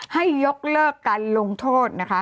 ให้ยกเลิกการลงโทษนะคะ